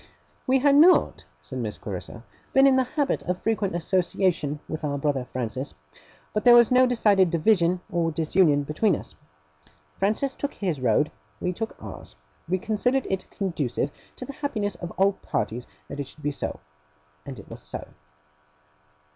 'We had not,' said Miss Clarissa, 'been in the habit of frequent association with our brother Francis; but there was no decided division or disunion between us. Francis took his road; we took ours. We considered it conducive to the happiness of all parties that it should be so. And it was so.